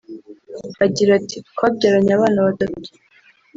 Agira ati twabyaranye abana batatu